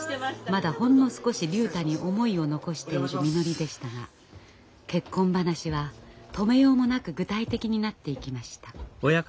まだほんの少し竜太に思いを残しているみのりでしたが結婚話は止めようもなく具体的になっていきました。